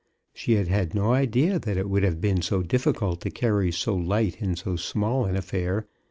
She had had no idea that it would have been so difficult to carry so light and so small an affair.